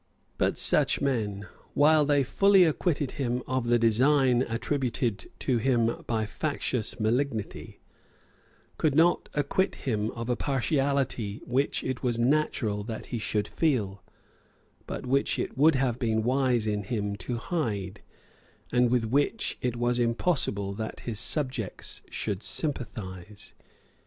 But such men, while they fully acquitted him of the design attributed to him by factious malignity, could not acquit him of a partiality which it was natural that he should feel, but which it would have been wise in him to hide, and with which it was impossible that his subjects should sympathise.